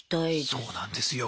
そうなんですよ。